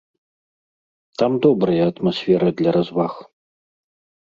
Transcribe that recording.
Там добрая атмасфера для разваг.